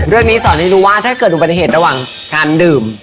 เรื่องนี้สอนให้รู้ว่าถ้าเกิดมีปฏิเหตุระหว่างการดื่ม